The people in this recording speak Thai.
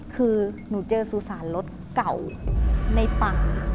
คือหนูเจอสุสานรถเก่าในป่า